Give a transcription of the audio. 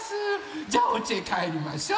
じゃあおうちへかえりましょう！